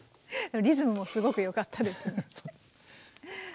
リズムもすごく良かったですね。